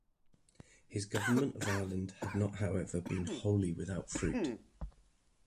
His government of Ireland had not however, been wholly without fruit.